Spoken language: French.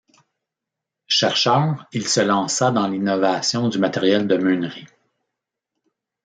Chercheur, il se lança dans l'innovation du matériel de meunerie.